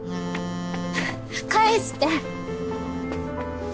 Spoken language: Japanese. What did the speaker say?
返して。